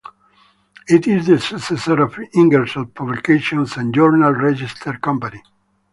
It is the successor of Ingersoll Publications and Journal Register Company.